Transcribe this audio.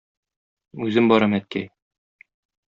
Үзем барам, әткәй.